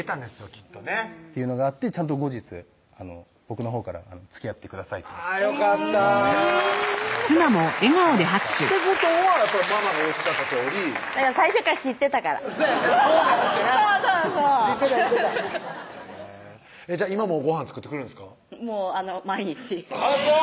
きっとっていうのがあってちゃんと後日僕のほうから「つきあってください」とあぁよかったってことはやっぱりママがおっしゃったとおりだから最初から知ってたからそうやんねこうなるってな知ってた知ってた今もごはん作ってくれるんですかもう毎日あぁそう！